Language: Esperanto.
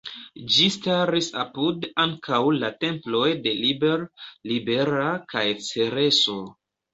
Ĝi staris apud ankaŭ la temploj de Liber, Libera kaj Cereso.